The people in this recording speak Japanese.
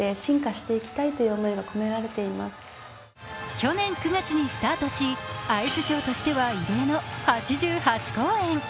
去年９月にスタートしアイスショーとしては異例の８８公演。